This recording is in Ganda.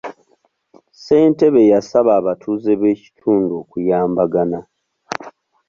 Ssentebe yasaba abatuuze b'ekitundu okuyambagana.